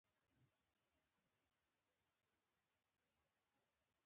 د باچا لور په خپل قبر کې نه وي.